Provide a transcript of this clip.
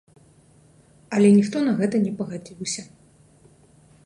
Але ніхто на гэта на пагадзіўся.